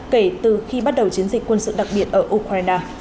kể từ khi bắt đầu chiến dịch quân sự đặc biệt ở ukraine